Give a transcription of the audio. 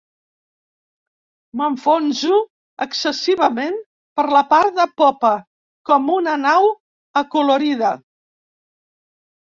M'enfonso excessivament per la part de popa, com una nau acolorida.